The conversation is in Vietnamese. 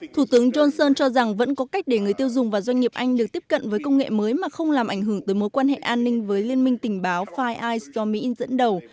thủ tướng johnson cho rằng vẫn có cách để người tiêu dùng và doanh nghiệp anh được tiếp cận với công nghệ mới mà không làm ảnh hưởng tới mối quan hệ an ninh với liên minh tình báo file i do mỹ dẫn đầu